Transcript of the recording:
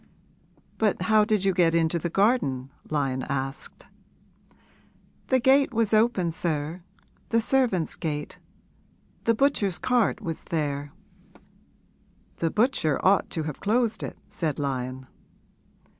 'But how did you get into the garden?' Lyon asked. 'The gate was open, sir the servants' gate. The butcher's cart was there.' 'The butcher ought to have closed it,' said Lyon.